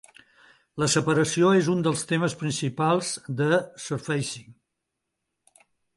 La separació és un dels temes principals de 'Surfacing'.